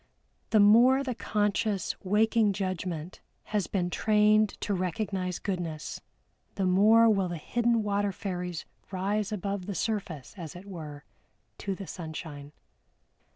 The more the conscious waking judgment has been trained to recognize goodness, the more will the hidden water fairies rise above the surface, as it were, to the sunshine.